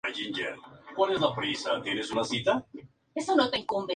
Se disputaba durante el mes de septiembre.